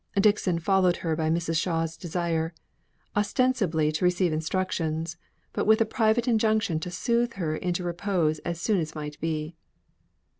Dixon followed her by Mrs. Shaw's desire, ostensibly to receive instructions, but with a private injunction to soothe her into repose as soon as might be.